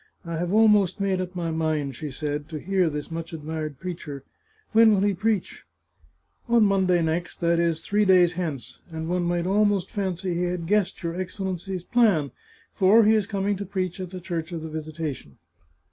" I have almost made up my mind," she said, " to hear this much admired preacher. When will he preach ?"" On Monday next — that is, three days hence ; and one might almost fancy he had guessed your Excellency's plan, for he is coming to preach in the Church of the Visita tion."